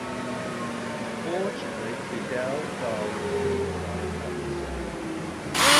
Unfortunately Fidel died during a fire at the set.